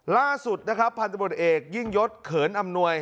ล่าสุดพันธุ์บริเวศเอกยิ่งยศเขินอำนวย